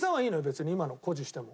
別に今のを固辞しても。